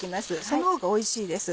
そのほうがおいしいです。